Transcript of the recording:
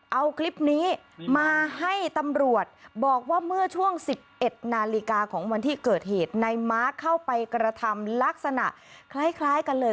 เอาคลิปนี้มาให้ตำรวจบอกว่าเมื่อช่วง๑๑นาฬิกาของวันที่เกิดเหตุในม้าเข้าไปกระทำลักษณะคล้ายกันเลย